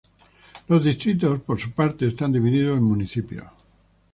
Los distritos, por su parte, están divididos en municipios.